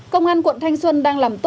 công an quận thanh xuân đang làm tốt hơn